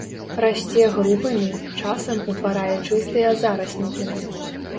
Расце групамі, часам утварае чыстыя зараснікі.